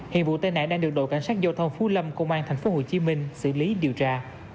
hiện vụ tai nạn đang được đội cảnh sát giao thông phú lâm công an tp hcm xử lý điều tra